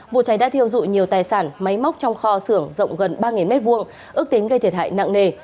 vụ cháy đã thiêu dụi nhiều tài sản máy móc trong kho xưởng rộng gần ba m hai ước tính gây thiệt hại nặng nề